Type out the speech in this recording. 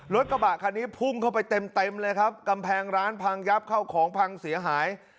รถกระบะคันนี้พุ่งเข้าไปเต็มเต็มเลยครับกำแพงร้านพังยับเข้าของพังเสียหาย